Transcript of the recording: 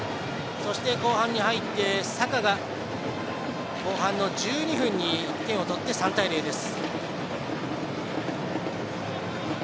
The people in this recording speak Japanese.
そして、後半に入ってサカが後半の１２分に１点を取って３対０です。